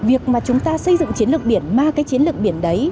việc mà chúng ta xây dựng chiến lược biển ma cái chiến lược biển đấy